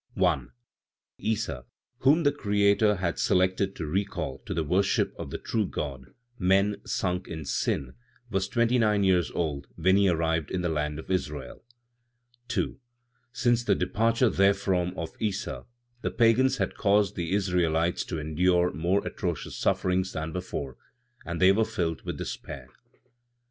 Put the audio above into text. Issa whom the Creator had selected to recall to the worship of the true God, men sunk in sin was twenty nine years old when he arrived in the land of Israel. 2. Since the departure therefrom of Issa, the Pagans had caused the Israelites to endure more atrocious sufferings than before, and they were filled with despair.